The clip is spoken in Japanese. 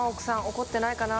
怒ってないかな？